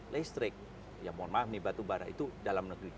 listrik ya mohon maaf ini batu bara itu dalam negeri